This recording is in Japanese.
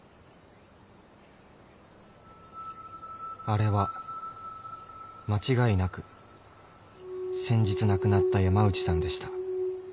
［あれは間違いなく先日亡くなった山内さんでした］